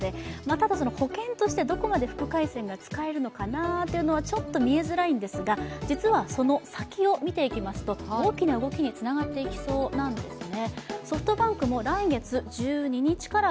ただ、保険としてどこまで副回線が使えるのかなというのはちょっと見えづらいんですが、実はその先を見ていきますと大きな動きにつながっていきそうなんですね。